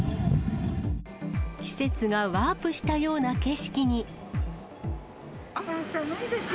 季節がワープしたような景色寒いです。